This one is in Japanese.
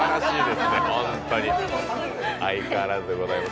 相変わらずでございます。